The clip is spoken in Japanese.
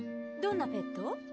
どんなペット？